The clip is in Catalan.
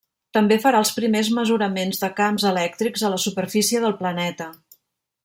També farà els primers mesuraments de camps elèctrics a la superfície del planeta.